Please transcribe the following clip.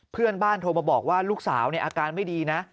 เพื่อนบ้านโทรมาบอกว่าลูกสาวเนี่ยอาการไม่ดีนะ